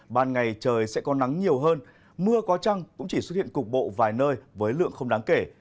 ban ngày trời sẽ có nắng nhiều hơn mưa có trăng cũng chỉ xuất hiện cục bộ vài nơi với lượng không đáng kể